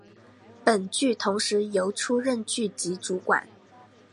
本剧同时由出任剧集主管。